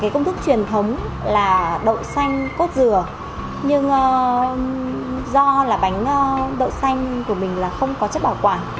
công thức truyền thống là đậu xanh cốt dừa nhưng do bánh đậu xanh không có chất bảo quản